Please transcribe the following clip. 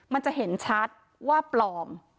มันจะเห็นชัดว่าปลอม